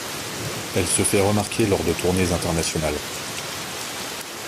Elle se fait remarquer lors de tournées internationales.